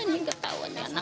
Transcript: ini gak tau anak anak